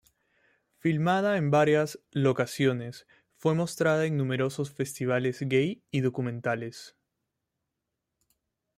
Filmada en varias locaciones, fue mostrada en numerosos festivales gay y documentales.